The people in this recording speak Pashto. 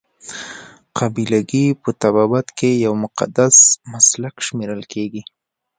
قابله ګي په طبابت کې یو مقدس مسلک شمیرل کیږي.